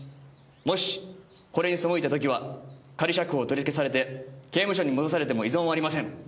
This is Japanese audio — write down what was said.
「もしこれに背いた時は仮釈放を取り消されて刑務所に戻されても異存はありません」